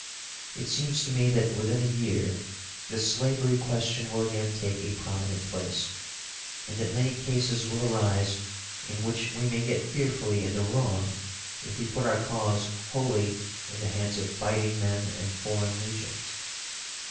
It seems to me that within a year the slavery question will again take a prominent place, and that many cases will arise in which we may get fearfully in the wrong if we put our cause wholly in the hands of fighting men and foreign legions.